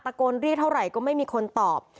โกนเรียกเท่าไหร่ก็ไม่มีคนตอบ